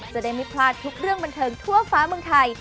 จะได้ไม่พลาดทุกเรื่องบันเทิงทั่วฟ้าเมืองไทย